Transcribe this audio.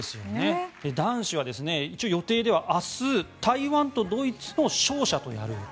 男子は一応、予定では明日、台湾とドイツの勝者とやる予定。